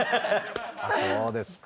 そうですか。